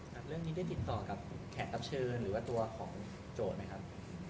เรื่องนี้ได้ติดต่อกับแขกรับเชิญหรือว่าตัวของโจทย์ไหมครับ